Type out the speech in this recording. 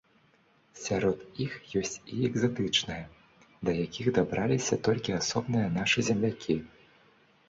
Сярод іх ёсць і экзатычныя, да якіх дабраліся толькі асобныя нашы землякі.